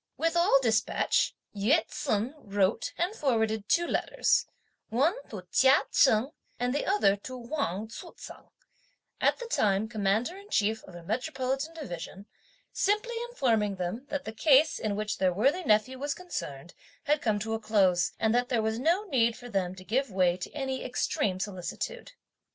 With all despatch, Yü ts'un wrote and forwarded two letters, one to Chia Cheng, and the other to Wang Tzu t'eng, at that time commander in chief of a Metropolitan Division, simply informing them: that the case, in which their worthy nephew was concerned, had come to a close, and that there was no need for them to give way to any extreme solicitude.